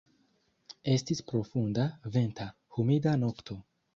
Estis profunda, venta, humida nokto.